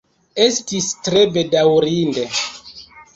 Estis tre bedaŭrinde.